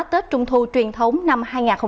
tết trung thu truyền thống năm hai nghìn hai mươi